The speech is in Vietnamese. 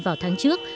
vào tháng trước